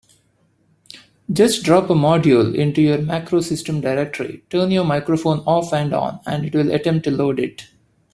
Just drop a module into your MacroSystem directory, turn your microphone off and on, and it will attempt to load it.